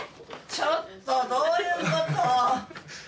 ちょっとどういうこと！？